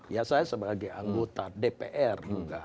ya saya sebagai anggota dpr